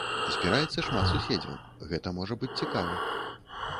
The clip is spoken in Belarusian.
Збіраецца шмат суседзяў, гэта можа быць цікава.